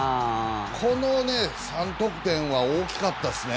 この３得点は大きかったですね。